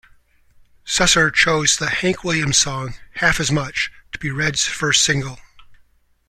Susser chose the Hank Williams song "Half As Much" to be Redd's first single.